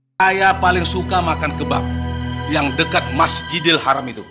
saya paling suka makan kebab yang dekat masjidil haram itu